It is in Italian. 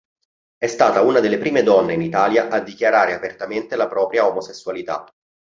È stata una delle prime donne in Italia a dichiarare apertamente la propria omosessualità.